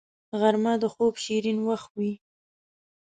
غرمه د خوب شیرین وخت وي